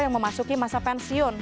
yang memasuki masa pensiun